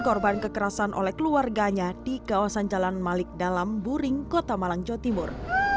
korban kekerasan oleh keluarganya di kawasan jalan malik dalam buring kota malang jawa timur